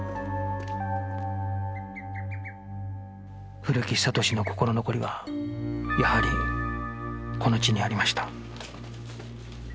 古木久俊の心残りはやはりこの地にありました